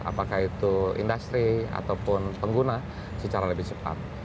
apakah itu industri ataupun pengguna secara lebih cepat